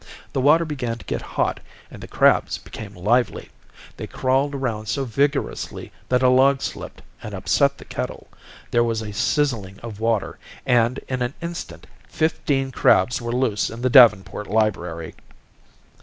The water began to get hot, and the crabs became lively. They crawled around so vigorously that a log slipped and upset the kettle. There was a sizzling of water, and, in an instant, fifteen crabs were loose in the Davenport library.